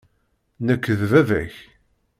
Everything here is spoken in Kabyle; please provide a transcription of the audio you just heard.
Nekk d baba-k.